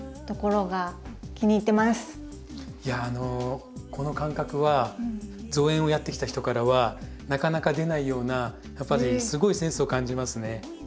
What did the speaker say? いやあのこの感覚は造園をやってきた人からはなかなか出ないようなやっぱりすごいセンスを感じますね。